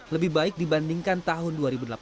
lebih baik dibandingkan tahun dua ribu delapan belas